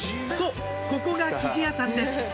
そうここが生地屋さんです